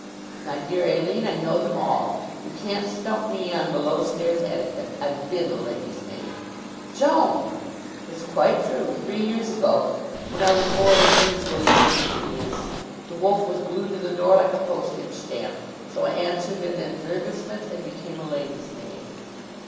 "My dear Aline, I know them all. You can't stump me on below stairs etiquette. I've been a lady's maid!" "Joan!" "It's quite true three years ago, when I was more than usually impecunious. The wolf was glued to the door like a postage stamp; so I answered an advertisement and became a lady's maid."